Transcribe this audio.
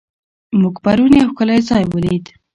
موږ پرون یو ښکلی ځای ولید.